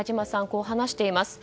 こう話しています。